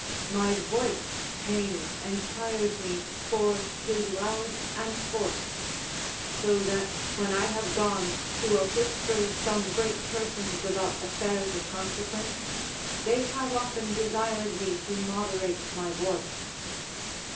My voice pains and tires me, for 'tis loud and forced; so that when I have gone to a whisper some great persons about affairs of consequence, they have often desired me to moderate my voice.